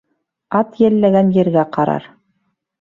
Ат йәлләгән ергә ҡарар